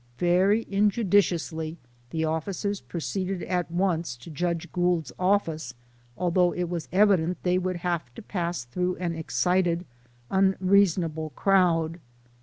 Very injudiciously, the officers proceeded at once to Judge Gould's office, although it w,as evident they would have to pass through an excited, unreasonable crowd.